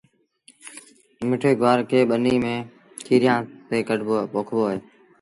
مٺي گُوآر کي ٻنيٚ ميݩ کيريآݩ تي پوکبو اهي